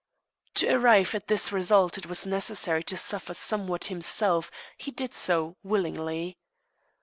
To arrive at this result it was necessary to suffer somewhat himself; he did so willingly.